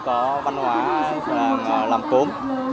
có văn hóa làm cốm